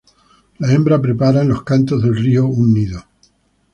La hembra prepara en los cantos del río un nido.